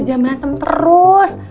jangan berantem terus